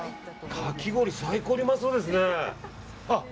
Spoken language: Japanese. かき氷、最高にうまそうですね。